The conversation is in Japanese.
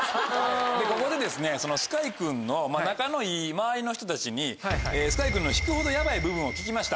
ここでＳＫＹ君の仲のいい周りの人たちにＳＫＹ君の引くほどヤバい部分を聞きました。